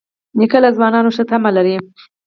نیکه له ځوانانو ښه تمه لري.